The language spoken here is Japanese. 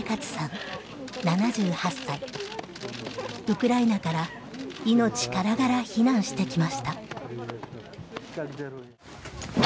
ウクライナから命からがら避難してきました。